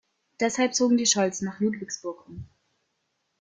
Deshalb zogen die Scholls nach Ludwigsburg um.